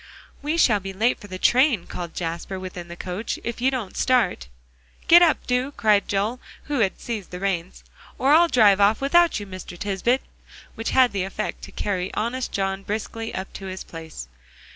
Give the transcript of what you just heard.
"We shall be late for the train," called Jasper within the coach, "if you don't start." "Get up, do!" cried Joel, who had seized the reins, "or I'll drive off without you, Mr. Tisbett," which had the effect to carry honest John briskly up to his place.